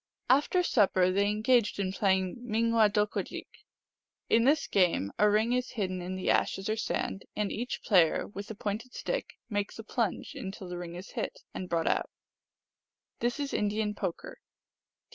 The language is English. After supper they engaged in playing Ming wadokadjik. In this game a ring is hidden in the ashes or sand, and each player, with a pointed stick, makes a plunge until the ring is hit, and brought out. (This is Indian poker.